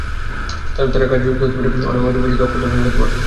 তাহলে তাঁরা কাজে যুক্ত হতে হতে অনেক বেশি দক্ষতা অর্জন করতে পারবেন।